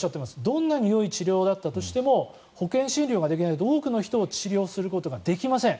どんなによい治療だったとしても保険診療ができないと多くの人を治療することができません。